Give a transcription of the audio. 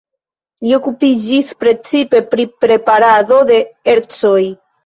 Li okupiĝis precipe pri preparado de ercoj.